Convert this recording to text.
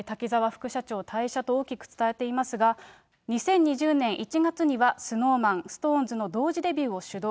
副社長退社と大きく伝えていますが、２０２０年１月には、ＳｎｏｗＭａｎ、ＳｉｘＴＯＮＥＳの同時デビューを主導。